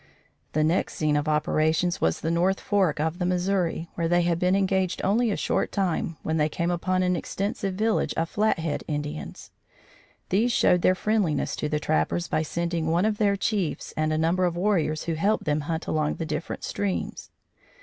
The next scene of operations was the North Fork of the Missouri where they had been engaged only a short time when they came upon an extensive village of Flathead Indians. These showed their friendliness to the trappers by sending one of their chiefs and a number of warriors who helped them hunt along the different streams.